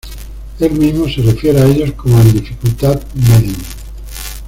Él mismo se refiere a ellos como en dificultad "Medium".